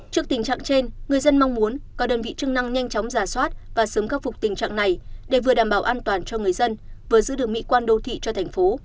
trước tình trạng trên người dân mong muốn các đơn vị chức năng nhanh chóng giả soát và sớm khắc phục tình trạng này để vừa đảm bảo an toàn cho người dân vừa giữ được mỹ quan đô thị cho thành phố